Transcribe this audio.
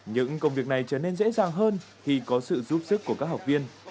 những công việc này trở nên dễ dàng hơn khi có sự giúp sức của các học viên